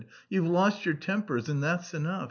. you've lost your tempers and that's enough .